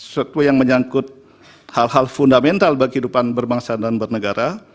suatu yang menyangkut hal hal fundamental bagi kehidupan berbangsa dan bernegara